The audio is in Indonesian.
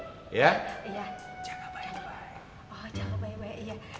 oh jaga baik baik iya